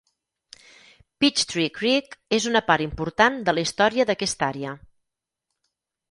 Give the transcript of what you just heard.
Peachtree Creek és una part important de la història d'aquesta àrea.